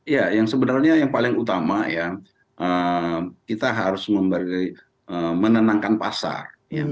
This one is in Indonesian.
ya yang sebenarnya yang paling utama ya kita harus menenangkan pasar